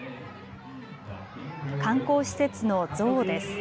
観光施設のゾウです。